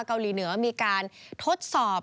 เกาหลีเหนือมีการทดสอบ